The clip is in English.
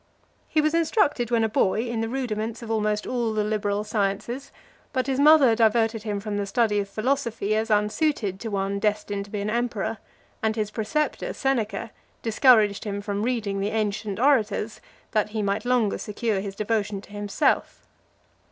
LII. He was instructed, when a boy, in the rudiments of almost all the liberal sciences; but his mother diverted him from the study of philosophy, as unsuited to one destined to be an emperor; and his preceptor, Seneca, discouraged him from reading the ancient orators, that he might longer secure his devotion to himself.